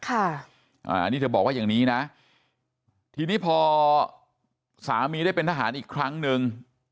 อันนี้เธอบอกว่าอย่างนี้นะทีนี้พอสามีได้เป็นทหารอีกครั้งหนึ่ง